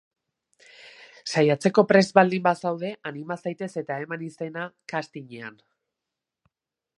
Saiatzeko prest baldin bazaude, anima zaitez eta eman izena castingean.